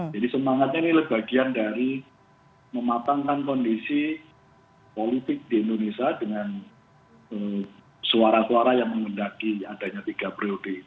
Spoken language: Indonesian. jadi semangatnya ini bagian dari mematangkan kondisi politik di indonesia dengan suara suara yang mengundaki adanya tiga periode